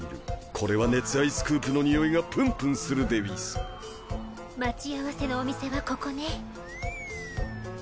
これは熱愛スクープの匂いがプンプンするでうぃす待ち合わせのお店はここね。